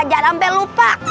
jangan sampai lupa